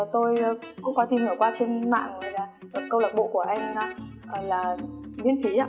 tôi cũng có tìm hiểu qua trên mạng là câu lạc bộ của anh là miễn phí